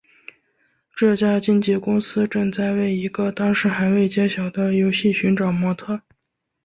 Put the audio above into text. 这家经纪公司正在为一个当时还未揭晓的游戏寻找模特儿。